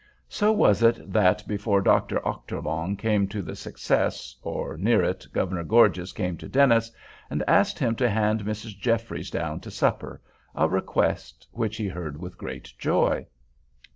So was it that before Dr. Ochterlong came to the "success," or near it, Governor Gorges came to Dennis and asked him to hand Mrs. Jeffries down to supper, a request which he heard with great joy.